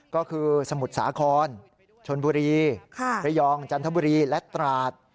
ก็คือสมุทรสาครชนบุรีระยองจันทบุรีและตราด